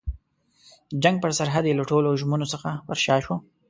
د جنګ پر سرحد یې له ټولو ژمنو څخه پر شا شوه.